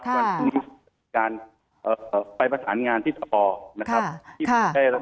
วันนี้ไปประสานงานที่ศพ